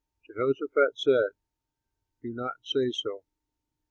Jehoshaphat said, "Do not say so."